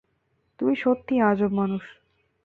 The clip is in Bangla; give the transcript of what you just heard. তুমি সত্যিই আজব মানুষ।